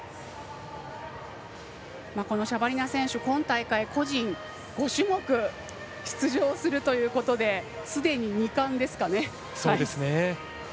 シャバリナ選手、今大会個人５種目出場するということですでに２冠ですかね。